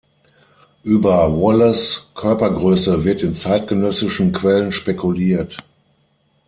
Über Wallace’ Körpergröße wird in zeitgenössischen Quellen spekuliert.